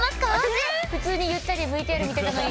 普通にゆったりＶＴＲ見てたのに。